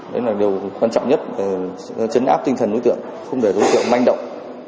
đó là điều quan trọng nhất để chấn áp tinh thần đối tượng không để đối tượng manh động